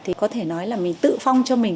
thì có thể nói là mình tự phong cho mình